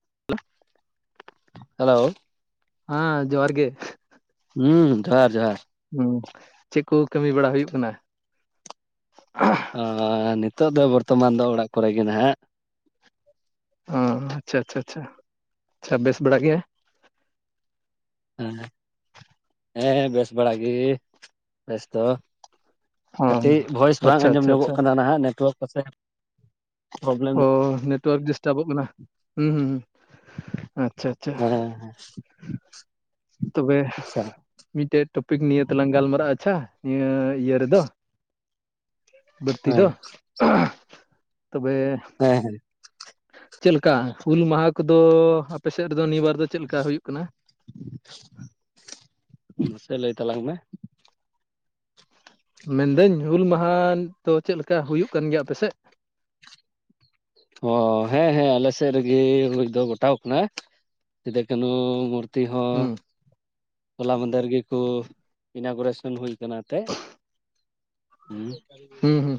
[unintelligible] Hello ᱦᱟᱸ ᱡᱚᱦᱟᱨ ᱜᱮ ᱦᱩᱸ ᱡᱚᱦᱟᱨ ᱡᱚᱦᱟᱨ ᱦᱩᱸ ᱪᱮᱫ ᱠᱚ ᱠᱟᱹᱢᱤ ᱵᱟᱲᱟ ᱦᱩᱭᱩᱜ ᱠᱟᱱᱟ ᱟᱸ ᱱᱤᱛᱚᱜ ᱫᱚ ᱵᱚᱨᱛᱚᱢᱟᱱ ᱫᱚ ᱚᱲᱟᱜ ᱠᱚᱨᱮ ᱜᱮ ᱱᱟᱦᱟᱜ ᱦᱩᱸ ᱟᱪᱪᱷᱟ ᱟᱪᱪᱷᱟ ᱟᱪᱪᱷᱟ ᱵᱮᱥ ᱵᱟᱲᱟ ᱜᱮ ᱦᱮᱸ ᱦᱮᱸ ᱵᱮᱥ ᱵᱟᱲᱟ ᱜᱮ ᱵᱮᱥ ᱫᱚ ᱚ ᱠᱟᱹᱴᱤᱡ ᱵᱷᱚᱭᱮᱥ ᱵᱟᱝ ᱟᱪᱪᱷᱟ ᱟᱸᱡᱚᱢ ᱟᱪᱪᱷᱟ ᱧᱚᱜᱚᱜ ᱟᱪᱪᱷᱟ ᱠᱟᱱᱟ ᱱᱟᱦᱟᱜ ᱱᱮᱴᱳᱣᱟᱨᱠ ᱯᱟᱥᱮ ᱚ ᱱᱮᱴᱣᱟᱨᱠ ᱰᱤᱥᱴᱟᱵᱚᱜ ᱠᱟᱱᱟ ᱦᱩᱸ ᱦᱩᱸ ᱟᱪᱪᱷᱟ ᱪᱷᱟ ᱦᱮᱸ ᱛᱚᱵᱮ ᱟᱪᱪᱷᱟ ᱢᱤᱴᱮᱡ ᱴᱚᱯᱤᱠ ᱱᱤᱭᱟᱹ ᱛᱮᱞᱟᱝ ᱜᱟᱞᱢᱟᱨᱟᱜᱼᱟ ᱟᱪᱪᱷᱟ ᱱᱤᱭᱟᱹ ᱤᱭᱟᱹ ᱨᱮᱫᱚ ᱵᱟᱹᱲᱛᱤ ᱦᱮᱸ ᱫᱚ ᱛᱚᱵᱮ ᱦᱮᱸ ᱦᱮᱸ ᱪᱮᱫ ᱞᱮᱠᱟ ᱦᱩᱞ ᱢᱟᱦᱟ ᱠᱚᱫᱚ ᱟᱯᱮ ᱥᱮᱫ ᱨᱮᱫᱚ ᱱᱤᱭᱟᱹ ᱵᱟᱨ ᱫᱚ ᱪᱮᱫ ᱞᱮᱠᱟ ᱦᱩᱭᱩᱜ ᱠᱟᱱᱟ? ᱢᱟᱥᱮ ᱞᱟᱹᱭ ᱛᱟᱞᱟᱝ ᱢᱮ ᱢᱮᱱᱫᱟᱹᱧ ᱦᱩᱞ ᱢᱟᱦᱟ ᱛᱚ ᱪᱮᱫ ᱞᱮᱠᱟ ᱦᱩᱭᱩᱜ ᱠᱟᱱ ᱜᱮᱭᱟ ᱟᱯᱮᱥᱮᱫ? ᱚ ᱦᱮᱸ ᱦᱮᱸ ᱟᱞᱮ ᱥᱮᱫ ᱨᱮᱜᱮ ᱦᱩᱭ ᱫᱚ ᱜᱚᱴᱟᱣ ᱠᱟᱱᱟ ᱥᱮᱫᱳ ᱠᱟᱱᱳ ᱢᱩᱨᱛᱤ ᱦᱚᱸ ᱦᱩᱸ ᱦᱚᱞᱟ ᱢᱟᱦᱫᱮᱨ ᱜᱮᱠᱚ ᱤᱱᱟᱜᱚᱨᱮᱥᱚᱱ ᱦᱩᱭ ᱠᱟᱱᱟ ᱮᱱᱛᱮ ᱦᱩᱸ ᱦᱩᱸ ᱦᱩᱸ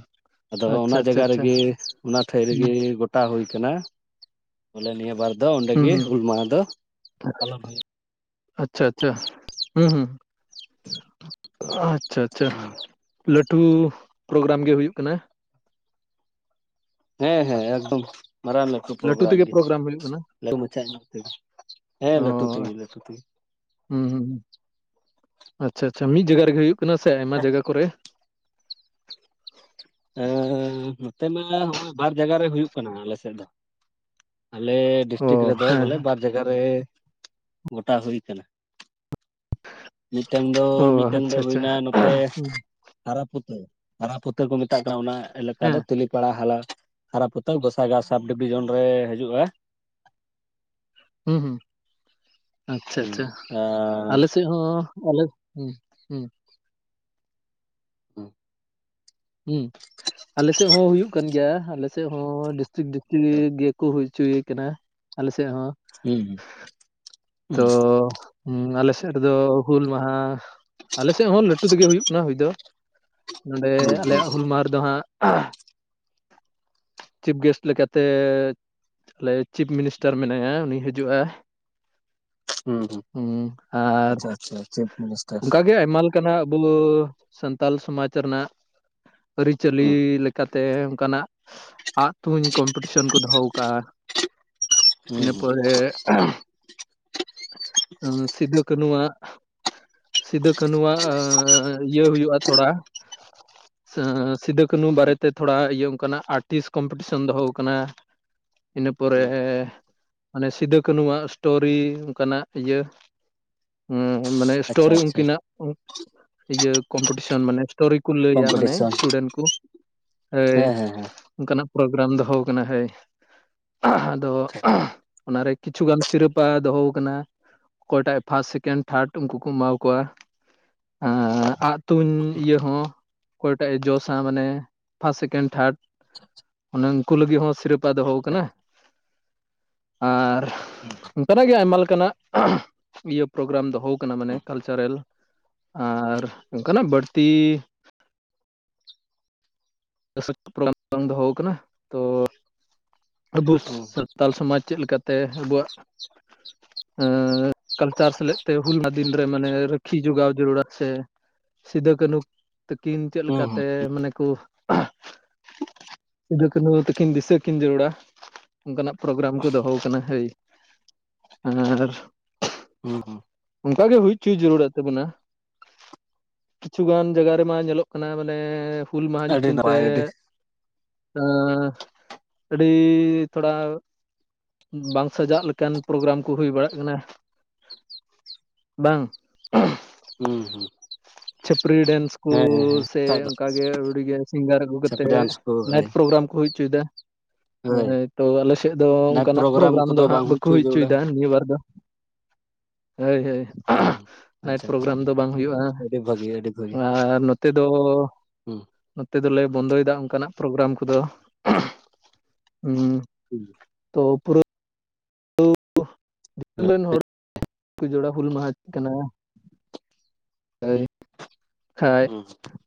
ᱟᱫᱚ ᱟᱪᱪᱷᱟ ᱚᱱᱟ ᱟᱪᱪᱷᱟ ᱡᱟᱜᱟ ᱟᱪᱪᱷᱟ ᱨᱮᱜᱮ ᱚᱱᱟ ᱴᱷᱟᱹᱭ ᱨᱮᱜᱮ ᱜᱚᱴᱟ ᱦᱩᱭ ᱠᱟᱱᱟ ᱵᱚᱞᱮ ᱱᱤᱭᱟᱹ ᱵᱟᱨ ᱫᱚ ᱚᱸᱰᱮ ᱦᱩᱸ ᱜᱮ ᱦᱩᱸ ᱦᱩᱞ ᱢᱟᱦᱟ ᱫᱚ ᱯᱟᱞᱚᱱ ᱦᱩᱭᱩ ᱟᱪᱪᱷᱟ ᱟᱪᱪᱷᱟ ᱦᱩᱸ ᱦᱩᱸ [inaudible] ᱟᱪᱪᱷᱟ ᱟᱪᱪᱷᱟ ᱦᱩᱸ ᱞᱟᱹᱴᱩ ᱯᱨᱳᱜᱽᱨᱟᱢ ᱜᱮ ᱦᱩᱭᱩᱜ ᱠᱟᱱᱟ ᱦᱮᱸ ᱦᱮᱸ ᱮᱠᱫᱚᱢ ᱢᱟᱨᱟᱝ ᱞᱟᱹᱴᱩ ᱯᱨᱳᱜᱨᱟᱢ ᱛᱮᱜᱮ ᱜᱮ ᱦᱩᱭᱩᱜ ᱠᱟᱱᱟ ᱞᱟᱹᱴᱩ ᱢᱟᱪᱷᱟ ᱧᱚᱜ ᱛᱮᱜᱮ ᱦᱮᱸ ᱚ ᱞᱟᱹᱴᱩ ᱛᱮᱜᱮ ᱞᱟᱹᱴᱩ ᱛᱮᱜᱮ ᱦᱩᱸ ᱦᱩᱸ ᱦᱩᱸ ᱟᱪᱪᱷᱟ ᱟᱪᱪᱷᱟ ᱢᱤᱫ ᱡᱟᱜᱟ ᱨᱮᱜᱮ ᱦᱩᱭᱩᱜ ᱠᱟᱱᱟ ᱥᱮ ᱟᱭᱢᱟ ᱡᱟᱜᱟ ᱠᱚᱨᱮ ᱮᱸᱻ ᱱᱚᱛᱮ ᱢᱟ ᱦᱚᱸᱜᱼᱚᱭ ᱵᱟᱨ ᱡᱟᱜᱟ ᱨᱮ ᱦᱩᱭᱩᱜ ᱠᱟᱱᱟ ᱟᱞᱮ ᱥᱮᱫ ᱫᱚ᱾ ᱟᱞᱮ ᱚ ᱰᱤᱥᱴᱤᱠ ᱨᱮᱫᱚ ᱦᱮᱸ ᱵᱚᱞᱮ ᱵᱟᱨ ᱡᱟᱜᱟ ᱨᱮ ᱜᱚᱴᱟ ᱦᱩᱭ ᱠᱟᱱᱟ᱾ ᱢᱤᱫᱴᱟᱝ ᱫᱚ ᱦᱮᱸ ᱚ ᱢᱤᱫᱴᱟᱝ ᱫᱚ ᱟᱪᱪᱷᱟ ᱟᱪᱪᱷᱟ ᱦᱩᱭᱱᱟ ᱱᱚᱛᱮ ᱦᱩᱸ, ᱦᱟᱨᱟᱯᱩᱛᱟᱹ᱾ ᱦᱟᱨᱟ ᱯᱩᱛᱟᱹ ᱠᱚ ᱢᱮᱛᱟᱜ ᱠᱟᱱᱟ ᱚᱱᱟ ᱮᱞᱟᱠᱟ ᱦᱮᱸ ᱫᱚ ᱛᱟᱱᱤ ᱯᱟᱲᱟ ᱦᱟᱞᱟ ᱦᱟᱨᱟ ᱯᱚᱛᱚᱵ ᱜᱚᱥᱟᱜᱟᱣ ᱥᱟᱵ ᱰᱤᱵᱷᱤᱡᱚᱱ ᱨᱮ ᱦᱤᱡᱩᱜᱼᱟ᱾ ᱦᱩᱸ ᱦᱩᱸ ᱟᱪᱪᱷᱟ ᱦᱩᱸ ᱟᱪᱪᱷᱟ ᱟᱨ ᱟᱞᱮ ᱥᱮᱫ ᱦᱚᱸ ᱟᱞᱮ ᱦᱩᱸ ᱦᱩᱸ ᱦᱩᱸ ᱦᱩᱸ ᱟᱞᱮᱥᱮᱫ ᱦᱚᱸ ᱦᱩᱭᱩᱜ ᱠᱟᱱ ᱜᱮᱭᱟ ᱟᱞᱮᱥᱮᱫ ᱦᱚᱸ [unintelligible] ᱜᱮᱠᱚ ᱦᱩᱭ ᱚᱪᱚᱭᱮ ᱠᱟᱱᱟ ᱟᱞᱮᱥᱮᱫ ᱦᱚᱸ ᱦᱩᱸ ᱦᱩᱸ ᱦᱩᱸ ᱛᱚ ᱩᱸ ᱟᱞᱮ ᱥᱮᱫ ᱨᱮᱫᱚ ᱦᱩᱞ ᱢᱟᱦᱟ ᱟᱞᱮ ᱥᱮᱫ ᱦᱚᱸ ᱞᱟᱹᱴᱩ ᱛᱮᱜᱮ ᱦᱩᱭᱩᱜ ᱠᱟᱱᱟ ᱦᱩᱭ ᱫᱚ᱾ ᱱᱚᱸᱰᱮ ᱦᱩᱸ ᱦᱩᱸ ᱟᱞᱮᱭᱟᱜ ᱦᱩᱞ ᱢᱟᱦᱟ ᱨᱮᱫᱚ ᱦᱟᱸᱜ, [unintelligible] ᱪᱤᱯ ᱜᱮᱥᱴ ᱞᱮᱠᱟᱛᱮ ᱟᱞᱮ ᱪᱤᱯ ᱢᱤᱱᱤᱥᱴᱟᱨ ᱢᱮᱱᱟᱭᱟ ᱩᱱᱤ ᱦᱤᱡᱩᱜᱼᱟ᱾ ᱦᱩᱸ ᱟᱨ ᱟᱪᱪᱷᱟ ᱟᱪᱪᱷᱟ ᱪᱤᱯ ᱢᱤᱱᱤᱥᱴᱟᱨ ᱚᱱᱠᱟ ᱜᱮ ᱟᱭᱢᱟ ᱞᱮ ᱠᱟᱱᱟᱜ ᱵᱚᱞᱳ ᱥᱟᱱᱛᱟᱞ ᱥᱚᱢᱟᱡᱽ ᱨᱮᱱᱟᱜ ᱟᱹᱨᱤᱪᱟᱹᱞᱤ ᱦᱩᱸ ᱞᱮᱠᱟ ᱛᱮ ᱚᱱᱠᱟᱱᱟᱜ ᱟᱜ ᱛᱩᱧ ᱠᱚᱢᱯᱤᱴᱤᱥᱮᱱ ᱠᱚ ᱫᱚᱦᱚ ᱣᱟᱠᱟᱜᱼᱟ᱾ ᱦᱩᱸ ᱤᱱᱟᱹ ᱦᱩᱸ ᱯᱚᱨᱮ [unintelligible] ᱥᱤᱫᱚ ᱠᱟᱹᱱᱩ ᱣᱟᱜ ᱥᱤᱫᱚ ᱠᱟᱹᱱᱩᱣᱟᱜ ᱤᱭᱟᱹ ᱦᱩᱭᱩᱜᱼᱟ ᱛᱷᱚᱲᱟ ᱥᱤᱫᱩ ᱠᱟᱹᱱᱩ ᱵᱟᱨᱮᱛᱮ ᱛᱷᱚᱲᱟ ᱤᱭᱟᱹ ᱚᱱᱠᱟᱱᱟᱜ ᱟᱨᱴᱤᱥ ᱠᱚᱢᱯᱤᱴᱤᱥᱚᱱ ᱫᱚᱦᱚ ᱣᱟᱠᱟᱱᱟ᱾ ᱤᱱᱟᱹ ᱯᱚᱨᱮ ᱦᱩᱸ ᱢᱟᱱᱮ ᱥᱤᱫᱟᱹ ᱠᱟᱹᱱᱩᱣᱟᱜ ᱥᱴᱳᱨᱤ ᱚᱱᱠᱟᱱᱟᱜ ᱤᱭᱟᱹ ᱢᱟᱱᱮ ᱟᱪᱪᱷᱟ ᱥᱴᱳᱨᱤ ᱟᱪᱪᱷᱟ ᱩᱱᱠᱤᱱᱟᱜ ᱤᱭᱟᱹ ᱠᱚᱢᱯᱤᱴᱤᱥᱚᱱ ᱢᱟᱱᱮ ᱥᱴᱳᱨᱤ ᱠᱚ ᱞᱟᱹᱭᱟ ᱢᱟᱱᱮ ᱠᱚᱢᱯᱤᱴᱤᱥᱚᱱ ᱥᱴᱩᱰᱮᱱᱴ ᱠᱚ ᱮᱭ ᱦᱮᱸ ᱦᱮᱸ ᱚᱱᱠᱟᱱᱟᱜ ᱯᱨᱳᱜᱨᱟᱢ ᱫᱚᱦᱚ ᱠᱟᱱᱟ ᱦᱟᱹᱭ [unintelligible] ᱟᱫᱚ [unintelligible] ᱚᱱᱟᱨᱮ ᱠᱤᱪᱷᱩ ᱜᱟᱱ ᱥᱨᱤᱯ ᱯᱟ ᱫᱚᱦᱚ ᱣᱟᱠᱟᱱᱟ ᱚᱠᱚᱭᱴᱟᱜ ᱮ ᱯᱷᱟᱥᱴ ᱥᱮᱠᱮᱱᱰ ᱛᱷᱟᱨᱰ ᱩᱱᱠᱩ ᱠᱚ ᱮᱢᱟᱣᱟᱠᱚᱣᱟ᱾ ᱮᱸᱻ ᱟᱜ ᱛᱩᱧ ᱤᱭᱟᱹ ᱦᱚᱸ ᱚᱠᱚᱭᱴᱟᱜ ᱮ ᱡᱚᱥᱟ ᱢᱟᱱᱮ ᱯᱷᱟᱥᱴ ᱥᱮᱠᱮᱱᱰ ᱛᱷᱟᱨᱰ ᱟᱪᱪᱷᱟ ᱟᱪᱪᱷᱟ [unintelligible] ᱩᱱᱠᱩ ᱞᱟᱹᱜᱤᱫ ᱦᱚᱸ ᱥᱤᱨᱯᱟ ᱫᱚᱦᱚ ᱠᱟᱱᱟ ᱟᱨ ᱦᱩᱸ ᱚᱱᱠᱟᱱᱟᱜ ᱜᱮ ᱟᱭᱢᱟ ᱞᱮᱠᱟᱱᱟᱜ [unintelligible] ᱤᱭᱟᱹ ᱯᱨᱳᱜᱨᱟᱢ ᱫᱚᱦᱚ ᱠᱟᱱᱟ ᱢᱟᱱᱮ ᱠᱟᱞᱪᱟᱨᱮᱞ᱾ ᱟᱨ ᱚᱱᱠᱟᱱᱟᱜ ᱵᱟᱹᱲᱛᱤ [unintelligible] ᱵᱟᱝ ᱫᱚᱦᱚᱠ ᱛᱚ ᱟᱵᱚ ᱦᱩᱸ ᱦᱩᱸ [unintelligible] ᱥᱟᱱᱛᱟᱞ ᱥᱚᱢᱟᱡᱽ ᱪᱮᱫ ᱞᱮᱠᱟᱛᱮ ᱟᱵᱚᱣᱟᱜ ᱠᱟᱞᱪᱟᱨ ᱥᱮᱞᱮᱫ ᱛᱮ ᱦᱩᱞᱢᱟ ᱫᱤᱱ ᱨᱮ ᱢᱟᱱᱮ ᱨᱟᱟᱹᱠᱷᱤ ᱡᱚᱜᱟᱣ ᱡᱟᱹᱨᱩᱲᱟ ᱥᱮ ᱥᱤᱫᱩ ᱠᱟᱱᱦᱩ ᱛᱟᱠᱤᱱ ᱪᱮᱫ ᱦᱩᱸ ᱞᱮᱠᱟᱛᱮ ᱦᱩᱸ ᱢᱟᱱᱮ ᱠᱚ ᱥᱤᱫᱩ ᱠᱟᱱᱩ ᱛᱟᱹᱠᱤᱱ ᱫᱤᱥᱟᱹ ᱠᱤᱱ ᱡᱟᱹᱨᱩᱲᱟ ᱚᱱᱠᱟᱱᱟᱜ ᱯᱨᱳᱜᱨᱟᱢ ᱠᱚ ᱫᱚᱦᱚ ᱟᱠᱟᱱᱟ ᱦᱳᱭ ᱟᱨ ᱦᱩᱸ ᱦᱩᱸ ᱚᱱᱠᱟ ᱜᱮ ᱦᱩᱭ ᱦᱚᱪᱚᱭ ᱡᱟᱹᱨᱩᱲᱟᱜ ᱛᱟᱵᱚᱱᱟ᱾ ᱠᱤᱪᱷᱩᱩᱜᱟᱱ ᱡᱟᱭᱜᱟ ᱨᱮᱢᱟ ᱧᱮᱞᱚᱜ ᱠᱟᱱᱟ ᱢᱟᱱᱮ ᱦᱩᱞ ᱢᱟᱦᱟ ᱟᱹᱰᱤ ᱧᱩᱛᱩᱢ ᱛᱮ ᱱᱟᱯᱟᱭ ᱟᱹᱰᱤ ᱟ ᱟᱹᱰᱤ ᱛᱷᱚᱲᱟ ᱵᱟᱝ ᱥᱟᱡᱟᱜ ᱞᱮᱠᱟᱱ ᱯᱨᱳᱜᱨᱟᱢ ᱠᱚ ᱦᱩᱭ ᱵᱟᱲᱟᱜ ᱠᱟᱱᱟ᱾ ᱵᱟᱝ ᱦᱮᱸ ᱦᱮᱸ ᱪᱷᱟᱹᱯᱨᱤ ᱰᱮᱱᱥ ᱠᱚ ᱦᱮᱸ ᱥᱮ ᱵᱟᱠᱷᱟᱡ ᱚᱱᱠᱟ ᱜᱮ ᱟᱹᱣᱲᱤᱜᱮ ᱥᱤᱝᱜᱟᱨ ᱟᱹᱜᱩ ᱫᱚ ᱠᱟᱛᱮᱜ ᱯᱨᱮᱭᱟᱱᱥ ᱠᱚ ᱱᱟᱭᱤᱴ ᱦᱳᱭ ᱯᱨᱳᱜᱨᱟᱢ ᱠᱚ ᱦᱩᱭ ᱦᱚᱪᱚᱭᱮᱫᱟ᱾ ᱦᱳᱭ ᱛᱚ ᱟᱞᱮᱮᱥᱮᱫ ᱫᱚ ᱱᱟᱭᱤᱴ ᱚᱱᱠᱟᱱᱟᱜ ᱯᱨᱳᱜᱨᱟᱢ ᱫᱚ ᱠᱚᱫᱚ ᱦᱜ ᱵᱟᱝ ᱵᱟᱠᱚ ᱦᱚᱪᱚᱭ ᱦᱩᱭ ᱡᱟᱹᱨᱩᱲᱟ ᱦᱚᱪᱚᱭᱮᱫᱟ ᱱᱤᱭᱟᱹ ᱵᱟᱨ ᱫᱚ᱾ ᱦᱳᱭ ᱦᱳᱭ ᱦᱩᱸ ᱱᱟᱭᱤᱴ ᱯᱨᱳᱜᱨᱟᱢ ᱫᱚ ᱵᱟᱝ ᱦᱩᱭᱩᱜᱼᱟ᱾ ᱵᱷᱟᱹᱜᱮ ᱟᱹᱰᱤ [unintelligible] ᱟᱨ ᱱᱚᱛᱮ ᱫᱚ ᱦᱩᱸ ᱱᱚᱛᱮ ᱫᱚᱞᱮ ᱵᱚᱱᱫᱚᱭᱮᱫᱟ ᱚᱱᱠᱟᱱᱟᱜ ᱯᱨᱳᱜᱨᱟᱢ ᱠᱚᱫᱚ ᱦᱩᱸ᱾ [unintelligible] ᱛᱚ ᱯᱩᱨᱟᱹ ᱛᱳ ᱫᱤᱥᱚᱢ ᱨᱮᱱ ᱦᱚᱲ ᱠᱚ ᱡᱚᱲᱟ ᱦᱩᱞ ᱢᱟᱦᱟ ᱠᱟᱱᱟ ᱦᱭ [unintelligible] ᱠᱷᱟᱱᱡ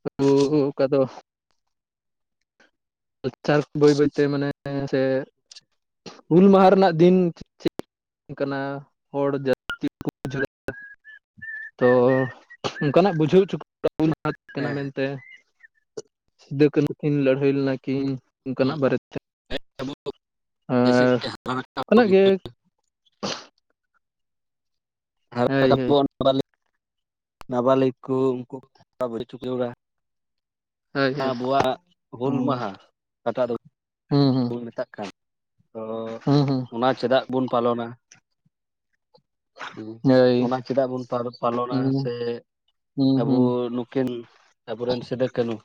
[unintelligible] ᱠᱟᱫᱚ ᱞᱟᱠᱪᱟᱨ ᱵᱟᱹᱭ ᱵᱟᱹᱭᱛᱮ ᱢᱟᱱᱮ ᱥᱮ ᱦᱩᱞ ᱢᱟᱦᱟ ᱨᱮᱱᱟᱜ ᱫᱤᱱ ᱠᱟᱱᱟ ᱦᱚᱲ ᱡᱟᱹᱥᱛᱤ ᱠᱚ ᱵᱩᱡᱷᱣᱟ, ᱛᱚ ᱚᱱᱠᱟᱱᱟᱜ ᱵᱩᱡᱷᱟᱹᱣ ᱦᱚᱪᱚ [unintelligible] ᱠᱟᱱᱟ ᱢᱮᱱᱛᱮ ᱥᱤᱫᱩ ᱠᱟᱹᱱᱦᱩ ᱠᱤᱱ ᱞᱟᱹᱲᱦᱟᱹᱭ ᱞᱮᱱᱟ ᱠᱤᱱ ᱚᱱᱠᱟᱱᱟᱜ ᱵᱟᱨᱮᱛᱮ [unintelligible] ᱚᱱᱟᱜ ᱜᱮ ᱦᱳᱭ ᱦᱳᱭ [unintelligible] ᱱᱟᱵᱟᱟᱞ ᱠᱚ [unintelligible] ᱩᱱᱠᱩᱟᱹᱲᱟ ᱦᱳᱭ ᱦᱳᱭ ᱟᱵᱚᱣᱟᱜ ᱦᱩᱞ ᱦᱩᱸ ᱢᱟᱦᱟ ᱜᱟᱯᱟ ᱫᱚ ᱦᱩᱸ ᱦᱩᱸ ᱢᱮᱛᱟᱜ ᱠᱟᱱ ᱛᱚ ᱦᱩᱸ ᱚᱱᱟ ᱪᱮᱫᱟᱜ ᱵᱚᱱ ᱯᱟᱞᱚᱱᱟ? [inaudible] ᱦᱩᱸ ᱦᱳᱭ ᱚᱱᱟ ᱪᱮᱫᱟᱜ ᱵᱚᱱ ᱯᱟᱞᱚᱱᱟ ᱦᱩᱸ ᱥᱮ ᱦᱩᱸ ᱟᱵᱚ ᱦᱩᱸ ᱱᱩᱠᱤᱱ ᱟᱵᱚᱨᱮᱱ ᱥᱤᱫᱩᱠᱱᱦᱩ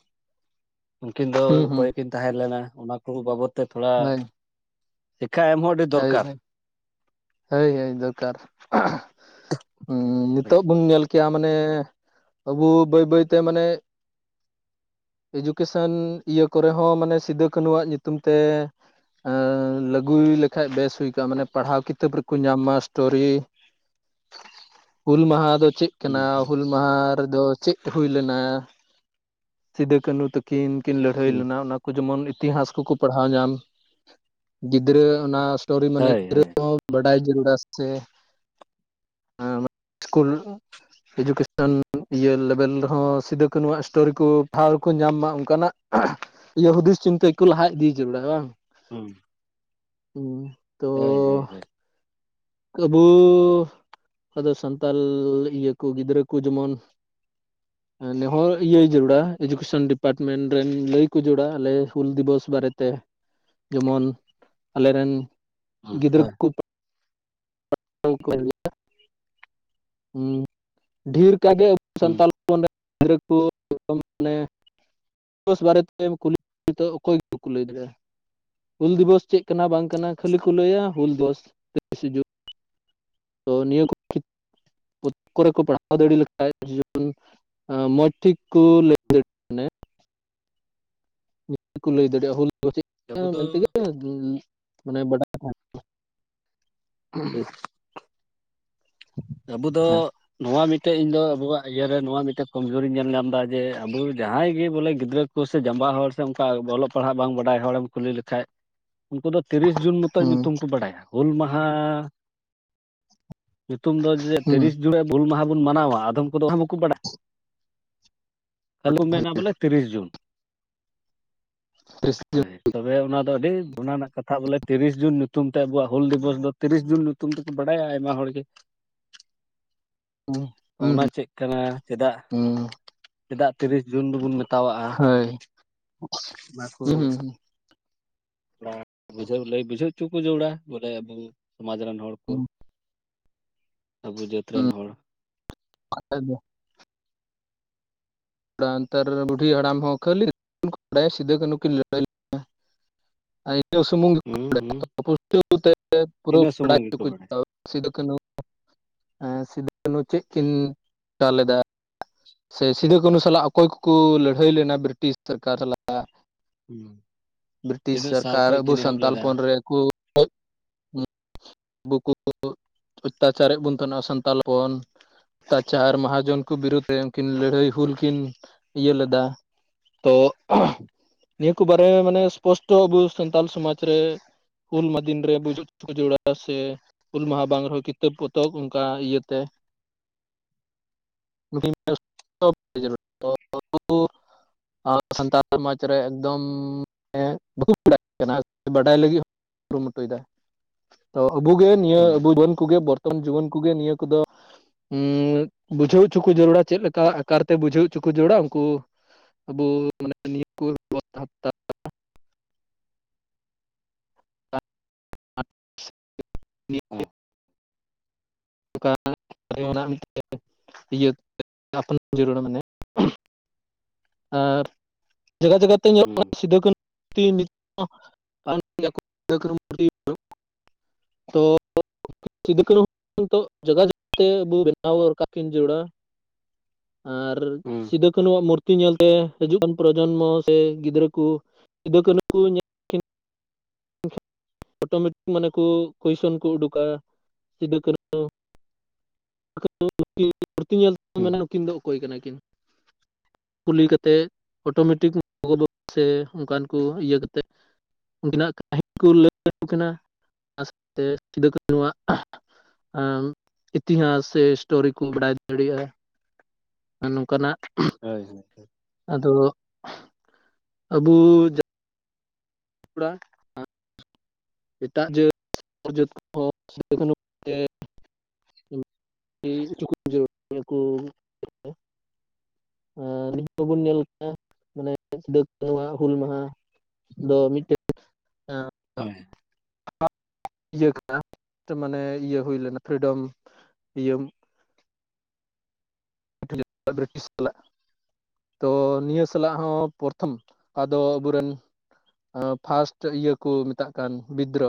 ᱩᱱᱠᱤᱱ ᱫᱚ ᱦᱩᱸ ᱦᱩᱸ ᱚᱠᱚᱭ ᱠᱤᱱ ᱛᱟᱦᱮᱸᱞᱱᱟ ᱚᱱᱟ ᱠᱚ ᱵᱟᱵᱚᱛ ᱛᱮ ᱛᱷᱚᱲᱟ ᱦᱳᱭ ᱥᱤᱠᱠᱷᱟ ᱮᱢ ᱦᱚᱲ ᱦᱳᱭ ᱦᱚ ᱦᱳᱭ ᱦᱳᱭ ᱫᱚᱨᱠᱟᱨ᱾ ᱩᱸ ᱦᱮᱸ ᱱᱤᱛᱳᱜ ᱵᱚᱱ ᱧᱮᱞ ᱠᱮᱭᱟ ᱢᱟᱱᱮ ᱟᱵᱚ ᱵᱟᱹᱭ ᱵᱟᱹᱭᱛᱮ ᱢᱟᱱᱮ, ᱮᱡᱩᱠᱮᱥᱚᱱ ᱤᱭᱟᱹ ᱠᱚᱨᱮ ᱦᱚᱸ ᱢᱟᱱᱮ ᱥᱤᱫᱩᱼᱠᱱᱦᱩ ᱟᱣᱟᱜ ᱧᱩᱛᱩᱢ ᱛᱮ, ᱞᱟᱹᱜᱩᱭ ᱞᱮᱠᱷᱟᱡ ᱵᱮᱥ ᱦᱩᱭ ᱠᱚᱜᱼᱟ, ᱢᱟᱱᱮ ᱯᱟᱲᱦᱟᱣ ᱠᱤᱛᱟᱹᱵ ᱨᱮᱠᱚ ᱧᱟᱢ ᱢᱟ ᱥᱴᱳᱨᱤ᱾ ᱦᱩᱞ ᱢᱟᱦᱟ ᱫᱚ ᱪᱮᱫ ᱠᱟᱱᱟ ᱦᱩᱸ ᱦᱩᱞ ᱢᱟᱦᱟ ᱨᱮᱫᱚ ᱪᱮᱫ ᱦᱩᱭ ᱞᱮᱱᱟ? ᱥᱤᱫᱩ ᱠᱟᱹᱱᱦᱩ ᱛᱟᱹᱠᱤᱱ ᱠᱤᱱ ᱞᱟᱹᱲᱦᱟᱹᱭ ᱦᱩᱸ ᱞᱮᱱᱟ ᱚᱱᱟ ᱠᱩ ᱡᱮᱢᱚᱱ ᱤᱛᱤᱦᱟᱥ ᱠᱚᱠᱚ ᱯᱟᱲᱦᱟᱣ ᱧᱟᱢ ᱜᱤᱫᱽᱨᱟᱹ ᱚᱱᱟ ᱥᱴᱳᱨᱤ ᱢᱟᱱᱮ ᱦᱳᱭ ᱦᱳᱭ ᱜᱤᱫᱽᱨᱟᱹᱦᱚᱸ ᱵᱟᱰᱟᱭ ᱡᱟᱹᱨᱩᱲ ᱥᱮ [unintelligible] ᱥᱠᱩᱞ ᱮᱡᱩᱠᱮᱥᱚᱱ ᱤᱭᱟᱹ ᱞᱮᱵᱮᱞ ᱨᱮᱦᱚᱸ ᱥᱤᱫᱩ ᱠᱟᱹᱟᱹᱱᱦᱩᱣᱟᱜ ᱥᱴᱳᱨᱤ ᱠᱚ ᱴᱷᱟᱶ ᱠᱚ ᱧᱟᱢ ᱢᱟ ᱚᱱᱠᱟᱱᱟᱜ ᱤᱭᱟᱹ ᱦᱩᱫᱤᱥ ᱪᱤᱱᱛᱟᱹ ᱠᱚ ᱞᱟᱦᱟ ᱤᱫᱤ ᱦᱚᱪᱚ ᱵᱟᱲᱟᱭᱟ ᱵᱟᱝ᱾ ᱦᱩᱸ ᱦᱩᱸ ᱦᱳᱭ ᱦᱳᱭ ᱦᱳᱭ ᱟᱹᱵᱩᱻ ᱟᱫᱚ ᱥᱟᱱᱛᱟᱞ ᱤᱭᱟᱹ ᱠᱚ ᱜᱤᱫᱽᱨᱟᱹ ᱠᱚ ᱡᱮᱢᱚᱱ [inaudible] ᱱᱮᱦᱚᱨ ᱤᱭᱟᱹ ᱡᱟᱹᱨᱩᱲᱟ ᱮᱡᱩᱠᱮᱥᱚᱱ ᱰᱤᱯᱟᱴᱢᱮᱱᱴ ᱨᱮᱱ ᱞᱟᱹᱭ ᱠᱚ ᱡᱟᱹᱨᱩᱲᱟ ᱟᱞᱮ ᱦᱩᱞ ᱫᱤᱵᱚᱥ ᱵᱟᱨᱮᱛᱮ, ᱡᱮᱢᱚᱱ ᱟᱞᱮ ᱨᱮᱱ ᱦᱩᱸ ᱜᱤᱫᱽᱨᱟᱹ ᱦᱳᱭ ᱠᱚ [unintelligible] ᱦᱩᱸ [unintelligible] ᱰᱷᱮᱨ ᱠᱟᱜᱮ ᱟᱵᱚ ᱦᱩᱸ ᱥᱟᱱᱛᱟᱞ, [unintelligible] ᱜᱤᱫᱽᱨᱟᱹ ᱠᱚ [unintelligible] ᱢᱟᱱᱮ ᱫᱤᱵᱚᱥ ᱵᱟᱨᱮ ᱛᱮᱢ ᱠᱩᱞᱤ ᱚᱠᱚᱭ ᱜᱮ ᱵᱟᱠᱚ ᱞᱟᱹᱭ ᱫᱟᱲᱮᱭᱟᱜᱼᱟ᱾ ᱦᱩᱞ ᱫᱤᱵᱚᱥ ᱪᱮᱫ ᱠᱟᱱᱟ ᱵᱟᱝ ᱠᱟᱱᱟ ᱠᱷᱟᱹᱞᱤ ᱠᱚ ᱞᱟᱹᱭᱟ ᱦᱩᱞ ᱫᱤᱵᱚᱥ ᱛᱮᱭᱤᱥᱮ ᱡᱩᱱ᱾ ᱛᱚ ᱱᱤᱭᱟᱹ ᱠᱚ [unintelligible] ᱯᱚᱛᱷᱤ ᱠᱚᱨᱮ ᱠᱚ ᱯᱟᱲᱦᱟᱣ ᱫᱟᱲᱮ ᱞᱮᱠᱷᱟᱱ, ᱢᱚᱸᱡᱽ ᱴᱷᱤᱠ ᱠᱚ ᱞᱟᱹᱭ ᱢᱟᱱᱮ [unintelligible] ᱠᱚ ᱞᱟᱹᱭ ᱫᱟᱲᱮᱭᱟᱜᱼᱟ, ᱦᱩᱞ ᱟᱵᱚ ᱫᱚ ᱢᱮᱱᱛᱮᱜᱮ ᱢᱟᱱᱮ ᱵᱟᱰᱟᱭ ᱵᱟᱝ᱾ [unintelligible] ᱟᱵᱚ ᱫᱚ ᱱᱚᱣᱟ ᱢᱤᱫᱴᱮᱱ ᱤᱧ ᱫᱚ ᱟᱵᱚᱣᱟᱜ ᱤᱭᱟᱹᱨᱮ ᱱᱚᱣᱟ ᱢᱤᱫᱴᱮᱱ ᱠᱚᱢᱡᱳᱨᱤᱧ ᱧᱮᱞ ᱧᱟᱢ ᱮᱫᱟ ᱡᱮ ᱟᱵᱚ ᱡᱟᱦᱟᱸᱭ ᱜᱮ ᱵᱚᱞᱮ ᱜᱤᱫᱽᱨᱟᱹ ᱩᱱᱠᱩ ᱥᱮ ᱡᱟᱸᱵᱟ ᱦᱚᱲ ᱥᱮ ᱚᱱᱠᱟ ᱚᱞᱚᱜ ᱯᱟᱲᱦᱟᱜ ᱵᱟᱝ ᱵᱟᱰᱟᱭ ᱦᱚᱲᱮᱢ ᱠᱩᱞᱤ ᱞᱮᱠᱷᱟᱡ ᱩᱱᱠᱩ ᱫᱚ ᱛᱤᱨᱤᱥ ᱡᱩᱱ ᱢᱚᱛᱚ ᱧᱩᱛᱩᱢ ᱠᱚ ᱵᱟᱰᱟᱭᱟ ᱦᱩᱞ ᱢᱟᱦᱟ ᱧᱩᱛᱩᱢ ᱫᱚ ᱡᱮ ᱦᱩᱸ ᱛᱤᱨᱤᱥ ᱡᱩᱱ ᱦᱩᱞ ᱢᱟᱦᱟ ᱵᱚᱱ ᱢᱟᱱᱟᱣᱟ ᱟᱫᱚᱢ ᱠᱚᱫᱚ ᱵᱟᱠᱚ ᱵᱟᱲᱟᱭᱟ ᱟᱞᱩᱢ ᱢᱮᱱᱟ ᱵᱚᱞᱮ ᱛᱤᱨᱤᱥ ᱡᱩᱱ ᱦᱳᱭ ᱦᱩᱸ ᱛᱚᱵᱮ ᱚᱱᱟ ᱫᱚ ᱟᱹᱰᱤ ᱚᱱᱟ ᱨᱮᱱᱟᱜ ᱠᱟᱛᱷᱟ ᱵᱚᱞᱮ ᱛᱤᱨᱤᱥ ᱡᱩᱱ ᱧᱩᱛᱩᱢ ᱛᱮ ᱟᱵᱩᱣᱟᱜ ᱦᱩᱞ ᱫᱤᱵᱚᱥ ᱫᱚ ᱛᱤᱨᱤᱥ ᱡᱩᱱ ᱧᱩᱛᱩᱢ ᱛᱮᱠᱚ ᱵᱟᱲᱟᱭᱟ ᱟᱭᱢᱟ ᱦᱚᱲ ᱜᱮ ᱦᱮᱸ ᱚᱱᱟ ᱪᱮᱫ ᱠᱟᱱᱟ ᱪᱮᱫᱟᱜᱼ ᱪᱮᱫᱟᱜ ᱛᱤᱨᱤᱥ ᱡᱩᱱ ᱫᱚᱵᱚᱱ ᱢᱮᱛᱟᱣᱟᱜᱼᱟ ᱦᱳᱭ ᱚᱱᱟ ᱠᱚ ᱦᱩᱸ ᱦᱩᱸ ᱛᱷᱚᱲᱟ ᱵᱩᱡᱷᱟᱹᱣ ᱞᱟᱹᱭ ᱵᱩᱡᱷᱟᱹᱣ ᱦᱚᱪᱚ ᱠᱚ ᱡᱟᱹᱨᱩᱲᱟ ᱵᱚᱞᱮ ᱟᱵᱚ ᱥᱚᱢᱟᱡᱽ ᱨᱮᱱ ᱦᱚᱲ ᱠᱚ ᱦᱩᱸ ᱟᱵᱚ ᱡᱟᱹᱛ ᱨᱮᱱ ᱦᱚᱲ [unintelligible] [unintelligible] ᱱᱮᱛᱟᱨ ᱵᱩᱰᱷᱤ ᱦᱟᱲᱟᱢ ᱦᱚᱸ ᱠᱷᱟᱹᱞᱤ ᱵᱟᱰᱟᱭᱟ ᱥᱤᱫᱩᱼ ᱠᱟᱹᱱᱦᱩ ᱠᱤᱱ ᱞᱟᱹᱲᱟᱹᱭ [unintelligible] ᱟ ᱼᱤᱱᱟ ᱥᱩᱢᱩᱝ ᱜᱮ [unintelligible] ᱦᱩᱸ ᱦᱩᱸ ᱯᱩᱨᱟᱹ ᱤᱱᱟᱹ ᱥᱩᱢᱩᱝ ᱵᱟᱰᱟᱭ ᱦᱚᱪᱚ ᱜᱮᱠᱚ ᱠᱚ ᱵᱟᱲᱟᱭᱟ ᱡᱟᱹᱨᱩᱲᱟ ᱥᱤᱫᱩ ᱠᱟᱱᱦᱩ ᱮ ᱥᱤᱫᱩ ᱠᱟᱱᱦᱩ ᱪᱮᱫ ᱠᱤᱱ ᱪᱤᱠᱟ ᱞᱮᱫᱟ ᱥᱮ ᱥᱤᱫᱩᱼ ᱠᱟᱹᱱᱦᱩ ᱥᱟᱞᱟᱜ ᱚᱠᱚᱭ ᱠᱚᱠᱚ ᱞᱟᱹᱲᱦᱟᱹᱭ ᱞᱮᱱᱟ ᱵᱨᱤᱴᱤᱥ ᱥᱚᱨᱠᱟᱨ ᱥᱟᱞᱟᱜ ᱦᱩᱸ ᱵᱨᱤᱴᱤᱥ ᱛᱤᱱᱟᱹᱜ ᱥᱟᱞ ᱥᱚᱨᱠᱟᱨ ᱠᱷᱚᱡ ᱟᱵᱚ ᱠᱤᱱ ᱮᱦᱚᱵ ᱥᱟᱱᱛᱟᱞ ᱞᱮᱫᱟ ᱦᱚᱯᱚᱱ ᱨᱮᱱ ᱠᱚ [unintelligible] ᱚᱛᱛᱟᱪᱟᱨᱮᱫ ᱵᱚᱱ ᱛᱟᱦᱮᱱᱟ ᱥᱟᱱᱛᱟᱞ ᱦᱚᱯᱚᱱ ᱚᱛᱛᱟᱪᱟᱨ ᱢᱟᱦᱟᱡᱚᱱ ᱠᱚ ᱵᱤᱨᱩᱫᱽ ᱨᱮ ᱠᱤᱱ ᱞᱟᱹᱲᱦᱟᱹᱭ ᱦᱩᱞ ᱠᱤᱱ ᱤᱭᱟᱹ ᱞᱮᱫᱟ ᱛᱚ ᱱᱤᱭᱟᱹ ᱠᱚ ᱵᱟᱨᱮ ᱢᱟᱱᱮ ᱥᱯᱚᱥᱴᱚ ᱟᱵᱚ ᱥᱟᱱᱛᱟᱞ ᱥᱚᱢᱟᱡᱽ ᱨᱮ ᱦᱩᱞ ᱢᱟ ᱫᱤᱱ ᱨᱮ ᱜᱩᱡᱩᱜ ᱠᱚ ᱡᱟᱹᱨᱩᱲᱟ ᱥᱮ ᱦᱩᱞ ᱢᱟᱦᱟ ᱵᱟᱝ ᱨᱮᱦᱚᱸ ᱠᱤᱛᱟᱹᱵ ᱯᱚᱛᱚᱵ ᱚᱱᱠᱟ ᱤᱭᱟᱹᱛᱮ [unintelligible] [unintelligible] ᱥᱟᱱᱛᱟᱲ ᱥᱚᱢᱟᱡᱽ ᱨᱮ ᱮᱠᱫᱚᱢ ᱦᱮᱸ ᱵᱟᱠᱚ ᱵᱟᱲᱟᱭ ᱠᱟᱱᱟ ᱵᱟᱰᱟᱭ ᱞᱟᱹᱜᱤᱫ ᱦᱚᱸ ᱠᱩᱨᱩᱢᱩᱴᱩᱭᱮᱫᱟ ᱛᱚ ᱟᱹᱵᱩ ᱜᱮ ᱱᱤᱭᱟᱹ ᱦᱩᱸ ᱟᱹᱵᱩ ᱵᱚᱱ ᱠᱚᱜᱮ ᱵᱚᱨ [unintelligible] ᱡᱩᱣᱟᱹᱱ ᱠᱚᱜᱮ ᱱᱤᱭᱟᱹ ᱠᱚᱫᱚ ᱦᱩᱸ ᱵᱩᱡᱷᱟᱹᱣ ᱦᱚᱪᱚ ᱠᱚ ᱡᱟᱹᱨᱩᱲᱟ ᱪᱮᱫ ᱞᱮᱠᱟ ᱟᱠᱟᱨ ᱛᱮ ᱵᱩᱡᱷᱟᱹᱣ ᱦᱚᱪᱚ ᱠᱚ ᱡᱚᱹᱨᱩᱲᱟ ᱩᱱᱠᱩ ᱟᱵᱚ ᱢᱟᱱᱮ ᱱᱤᱭᱟᱹ ᱠᱚ [unintelligible] ᱦᱩᱸ [unintelligible] [unintelligible] ᱡᱟᱹᱨᱩᱲᱟ ᱢᱟᱱᱮ ᱟᱨ ᱡᱟᱜᱟ ᱡᱟᱜᱟ ᱛᱮ ᱧᱮᱞᱚᱜ ᱠᱟᱱᱟ ᱥᱤᱫᱩ ᱠᱟᱹᱱᱦᱩ [unintelligible] ᱛᱚ [unintelligible] ᱥᱤᱫᱩ ᱠᱟᱹᱱᱦᱩ ᱱᱤᱛᱚᱜ ᱡᱚᱜᱟ ᱡᱚᱛᱚᱱ ᱛᱮ ᱟᱵᱚ ᱵᱮᱱᱟᱣ ᱫᱚᱨᱠᱟᱨ ᱠᱤᱱ ᱡᱟᱹᱨᱩᱲᱟ ᱟᱨ ᱦᱩᱸ ᱥᱤᱫᱩ ᱠᱟᱹᱱᱦᱩᱣᱟᱜ ᱢᱩᱨᱼᱼ ᱛᱤ ᱧᱮᱞᱛᱮ ᱦᱤᱡᱩᱜ ᱠᱟᱱ ᱯᱨᱚᱡᱚᱱᱢᱚ ᱥᱮ ᱜᱤᱫᱽᱨᱟᱹ ᱠᱚ ᱥᱤᱫᱩ ᱠᱟᱹᱱᱦᱩ ᱠᱚ ᱧᱮᱞ ᱚᱴᱳᱢᱮᱴᱤᱠ ᱢᱟᱱᱮ ᱠᱚ ᱠᱚᱭᱥᱚᱱ ᱠᱚ ᱩᱰᱩᱠᱟ ᱥᱤᱫᱩ ᱠᱟᱹᱱᱦᱩ [unintelligible] ᱢᱩᱨᱛᱤ ᱧᱮᱞ ᱛᱮ ᱦᱩᱸ ᱢᱮᱱᱟ ᱱᱩᱠᱤᱱ ᱫᱚ ᱚᱠᱚᱭ ᱠᱟᱱᱟ ᱠᱤᱱ ᱠᱩᱞᱤ ᱠᱟᱛᱮᱜ ᱚᱴᱳᱢᱮᱴᱤᱠᱚ ᱜᱳ ᱵᱟᱵᱟ ᱥᱮ ᱚᱱᱠᱟᱱ ᱠᱚ ᱤᱭᱟᱹ ᱠᱟᱛᱮᱫ ᱩᱱᱠᱤᱱᱟᱜ ᱠᱟᱹᱦᱱᱤ ᱠᱚ ᱞᱟᱹᱭ ᱟᱠᱚ ᱠᱤᱱᱟ ᱥᱟᱶᱛᱮ ᱥᱤᱫᱩ ᱠᱟᱹᱱᱦᱩᱣᱟᱜ ᱟᱢᱻᱤᱛᱤᱦᱟᱥ ᱥᱮ ᱮᱥᱴᱳᱨᱤ ᱠᱚ ᱵᱟᱰᱟᱭ ᱫᱟᱲᱮᱭᱟᱜᱼᱟ ᱟᱨ ᱱᱚᱝᱠᱟᱱᱟᱜ ᱦᱳᱭ ᱦᱳᱭ ᱦᱳᱭ ᱟᱫᱚ ᱟᱹᱵᱩ ᱡᱟᱹ ᱛᱷᱳᱲᱟ ᱮᱴᱟᱜ ᱡᱟᱹᱛ [unintelligible] ᱡᱟᱹᱛ ᱠᱚᱦᱚᱸ ᱥᱤᱫᱩᱠᱟᱹᱱᱦᱩ [unintelligible] [unintelligible] ᱩᱝᱠᱩ ᱮᱸ [unintelligible] ᱢᱟᱱᱮ ᱥᱤᱫᱟᱹ ᱠᱟᱹᱱᱩᱣᱟᱜ ᱦᱩᱞ ᱢᱟᱦᱟ ᱫᱚ ᱢᱤᱫᱴᱮᱜ ᱦᱚᱭ [unintelligible] ᱤᱭᱟᱹ ᱠᱟᱱᱟ ᱢᱟᱱᱮ ᱤᱭᱟᱹ ᱦᱩᱭ ᱞᱮᱱᱟ ᱯᱷᱨᱤᱰᱚᱢ ᱤᱭᱟᱹ [unintelligible] ᱵᱨᱤᱴᱤᱥ ᱥᱟᱞᱟᱜ᱾ ᱛᱚ ᱱᱤᱭᱟᱹ ᱥᱟᱞᱟᱜ ᱦᱚᱸ ᱯᱚᱨᱛᱷᱚᱢ ᱟᱫᱚ ᱟᱵᱚᱨᱮᱱ ᱮᱸ ᱯᱷᱟᱥᱴ ᱤᱭᱟᱹ ᱠᱚ ᱢᱮᱛᱟᱜ ᱠᱟᱱ ᱵᱤᱫᱽᱫᱨᱚ᱾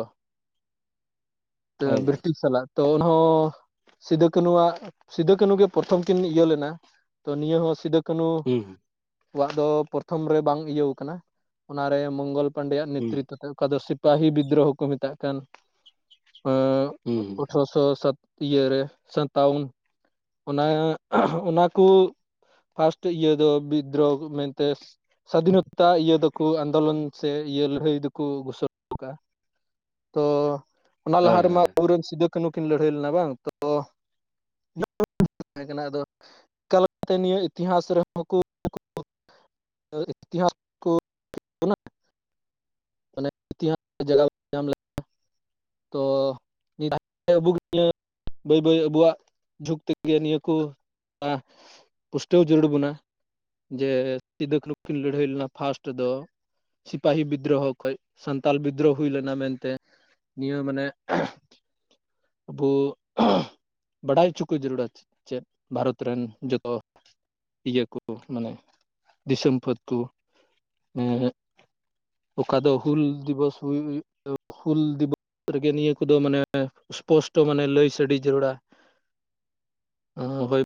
ᱦᱳᱭ ᱦᱳᱭ ᱵᱨᱤᱴᱤᱥ ᱥᱟᱞᱟᱜ ᱛᱚ ᱩᱱᱦᱚᱸ ᱥᱤᱫᱟᱹ ᱠᱟᱹᱱᱩᱣᱟᱜ ᱥᱤᱫᱟᱹ ᱠᱟᱹᱱᱩ ᱜᱮ ᱯᱨᱚᱛᱷᱚᱢ ᱠᱤᱱ ᱤᱭᱟᱹ ᱞᱮᱱᱟ ᱛᱚ ᱱᱤᱭᱟᱹ ᱦᱚᱸ ᱥᱤᱫᱟᱹ ᱠᱟᱹᱱᱩ ᱠᱚᱣᱟᱜ ᱫᱚ ᱯᱨᱚᱛᱷᱚᱢ ᱨᱮ ᱵᱟᱝ ᱤᱭᱟᱹᱣ ᱠᱟᱱᱟ, ᱚᱱᱟᱨᱮ ᱢᱚᱝᱜᱚᱞ ᱯᱟᱱᱰᱮᱭᱟᱜ ᱱᱮᱛᱨᱤᱛᱚ ᱛᱮ ᱚᱠᱟ ᱫᱚ ᱥᱤᱯᱟᱦᱤ ᱵᱤᱫᱽᱫᱨᱳᱦᱚ ᱠᱚ ᱢᱮᱛᱟᱜ ᱠᱟᱱ ᱚᱸ ᱟᱴᱷᱨᱚᱥᱚ ᱥᱟᱛ ᱤᱭᱟᱹᱨᱮ ᱥᱟᱛᱟᱣᱩᱱ ᱚᱱᱟ ᱚᱱᱟ ᱠᱚ ᱯᱷᱟᱥᱴ ᱤᱭᱟᱹ ᱫᱚ ᱵᱤᱫᱽᱫᱨᱳᱦᱚ ᱢᱮᱱᱛᱮ ᱥᱟᱫᱷᱤᱱᱚᱛᱟ ᱤᱭᱟᱹ ᱫᱚᱠᱚ ᱟᱱᱫᱳᱞᱚᱱ ᱥᱮ ᱤᱭᱟᱹ ᱞᱟᱹᱲᱦᱟᱹᱭ ᱫᱩᱠᱚ ᱜᱷᱳᱥᱳᱱᱟ ᱠᱟᱜᱼᱟ᱾ ᱛᱚ ᱚᱱᱟ ᱞᱟᱦᱟ ᱨᱮᱢᱟ ᱟᱵᱚᱨᱮᱱ ᱥᱤᱫᱩᱼᱠᱟᱹᱱᱩ ᱠᱤᱱ ᱞᱟᱹᱲᱦᱟᱹᱭ ᱞᱮᱱᱟ ᱵᱟᱝ ᱛᱚ [unintelligible] ᱛᱟᱦᱮ ᱠᱟᱱᱟ ᱟᱫᱚ ᱮᱠᱟᱞ ᱚᱠᱛᱮ ᱱᱤᱭᱟᱹ ᱤᱛᱤᱦᱟᱥ ᱨᱮᱦᱚᱸ ᱠᱩ [unintelligible] [unintelligible] ᱤᱛᱤᱦᱟᱥ ᱠᱚ [unintelligible] ᱢᱟᱱᱮ ᱤᱛᱤᱦᱟᱸᱥ [unintelligible] ᱡᱟᱜᱟ ᱧᱟᱢ ᱞᱮᱜ᱾ ᱛᱚ ᱟᱵᱩᱜᱤ ᱱᱤᱭᱟᱹ ᱵᱟᱹᱭ ᱵᱟᱹᱭ ᱟᱵᱚᱣᱟᱜ ᱡᱷᱩᱠ ᱛᱮᱜᱮ ᱱᱤᱭᱟᱹ ᱠᱚ ᱟ ᱯᱩᱥᱴᱟᱹᱣ ᱡᱟᱹᱨᱩᱲ ᱵᱚᱱᱟ ᱡᱮ ᱥᱤᱫᱟᱹ ᱠᱟᱹᱱᱩ ᱠᱤᱱ ᱞᱟᱹᱲᱦᱟᱹᱭ ᱞᱮᱱᱟ ᱯᱷᱟᱥᱴ ᱫᱚ᱾ ᱥᱤᱯᱟᱦᱤ ᱵᱤᱫᱽᱫᱨᱳᱦᱚ ᱠᱷᱚᱡ ᱥᱟᱱᱛᱟᱞ ᱵᱤᱫᱽᱫᱨᱳᱦᱚ ᱦᱩᱭ ᱞᱮᱱᱟ ᱢᱮᱱᱛᱮ ᱱᱤᱭᱟᱹ ᱢᱟᱱᱮ ᱟᱵᱚ ᱵᱟᱰᱟᱭ ᱦᱚᱪᱚ ᱠᱚ ᱡᱟᱹᱨᱩᱲᱟ ᱪᱮᱫ ᱵᱷᱟᱨᱚᱛ ᱨᱮᱱ ᱡᱚᱛᱚ ᱤᱭᱟᱹ ᱠᱚ ᱢᱟᱱᱮ ᱫᱤᱥᱚᱢ ᱯᱷᱟᱹᱫ ᱠᱚ ᱮᱸ ᱚᱠᱟ ᱫᱚ ᱦᱩᱞ ᱫᱤᱵᱚᱥ ᱦᱩᱭᱩᱜ ᱦᱩᱞ ᱫᱤᱵᱚ ᱨᱮᱜᱮ ᱱᱤᱭᱟᱹ ᱠᱚᱫᱚ ᱢᱟᱱᱮ ᱥᱯᱚᱥᱴᱚ ᱢᱟᱱᱮ ᱞᱟᱹᱭ ᱥᱟᱰᱮ ᱡᱟᱹᱨᱩᱲᱟ ᱚᱸ ᱦᱳᱭ